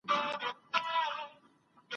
کتابونو او مجلو د مطالعې مینه زیاته کړې وه.